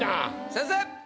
先生！